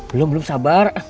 belom belum sabar